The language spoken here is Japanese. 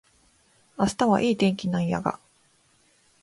明日はいい天気なんやが